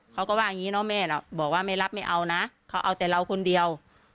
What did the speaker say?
เขาก็ว่าอย่างนี้เนอะแม่น่ะบอกว่าไม่รับไม่เอานะเขาเอาแต่เราคนเดียว